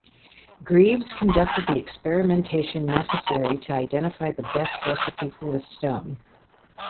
Greaves conducted the experimentation necessary to identify the best recipe for the stone.